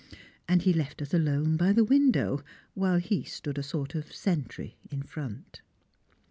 And he left us alone by the window, while he stood a sort of sentry in front.